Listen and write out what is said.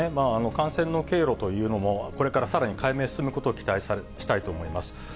感染の経路というのも、これからさらに解明進むことを期待したいと思います。